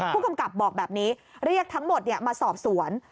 ผู้กำกับบอกแบบนี้เรียกทั้งหมดมาสอบสวน